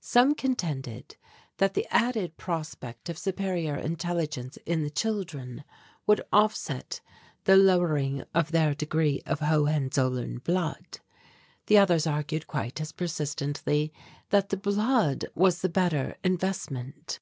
Some contended that the added prospect of superior intelligence in the children would offset the lowering of their degree of Hohenzollern blood. The others argued quite as persistently that the "blood" was the better investment.